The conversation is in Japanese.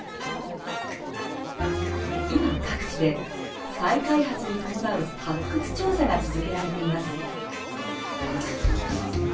今各地で再開発に伴う発掘調査が続けられています。